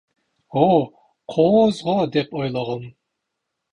О, кооз го деп ойлогом.